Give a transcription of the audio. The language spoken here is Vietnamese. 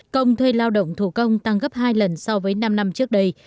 công thuê lao động thủ công tăng gấp hai lần so với năm năm trước đây